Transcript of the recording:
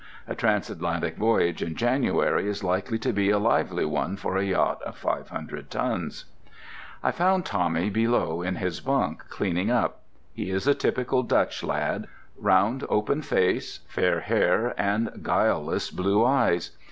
A transatlantic voyage in January is likely to be a lively one for a yacht of 500 tons. I found Tommy below in his bunk, cleaning up. He is a typical Dutch lad—round, open face, fair hair, and guileless blue eyes.